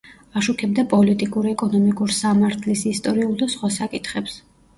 აშუქებდა პოლიტიკურ, ეკონომიკურ, სამართლის, ისტორიულ და სხვა საკითხებს.